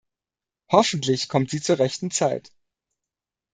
Hoffentlich kommt sie zur rechten Zeit.